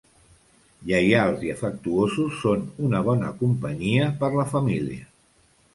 Lleials i afectuosos, són una bona companyia per la família.